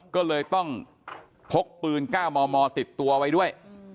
ก็เลยต้องพกปืน๙มมติดตัวไว้ด้วย